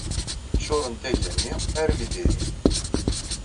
Ccuṛent aga-nni armi d iri.